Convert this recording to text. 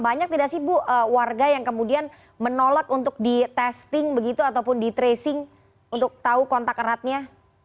banyak tidak sih bu warga yang kemudian menolak untuk di testing begitu ataupun di tracing untuk tahu kontak eratnya